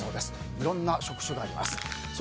いろいろな職種があります。